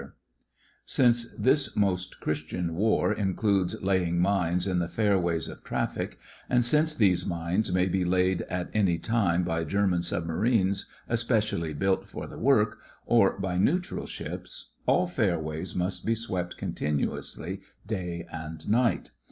10 THE FRINGES OF THE FLEET Since this most Christian war in cludes laying mines in the fairways of traffic, and since these mines may be laid at any time by German sub marines especially built for the work, or by neutral ships, all fairways must be swept continuously day and night.